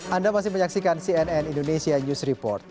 anda masih menyaksikan cnn indonesia news report